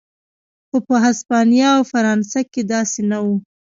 خو په هسپانیا او فرانسه کې داسې نه و.